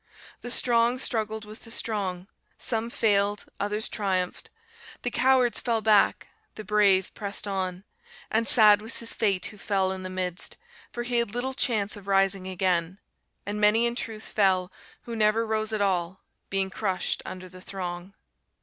The strong struggled with the strong; some failed, others triumphed; the cowards fell back, the brave pressed on; and sad was his fate who fell in the midst, for he had little chance of rising again; and many in truth fell, who never rose at all, being crushed under the throng.